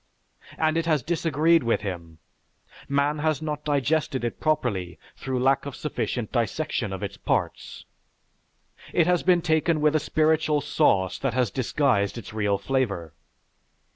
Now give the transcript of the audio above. And it has disagreed with him; man has not digested it properly through lack of sufficient dissection of its parts. It has been taken with a spiritual sauce that has disguised its real flavor.